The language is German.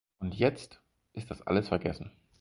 Und jetzt ist das alles vergessen.